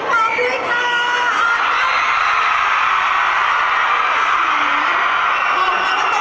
ต้องไปหาอร่า